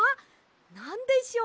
なんでしょう？